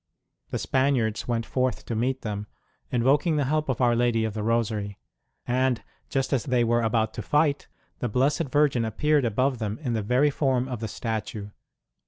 The Spaniards went forth to meet them, invoking the help of Our Lady of the Rosary ; and just as they were about to fight, the Blessed Virgin appeared above them in the very form of the statue.